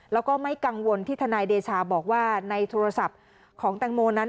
แล้วก็ไม่กังวลที่ทนายเดชาบอกว่าในโทรศัพท์ของแตงโมนั้น